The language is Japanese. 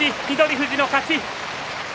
富士の勝ち